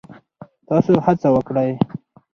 تاسو هڅه وکړئ